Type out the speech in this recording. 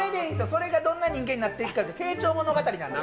それがどんな人間になっていくかって成長物語なんで。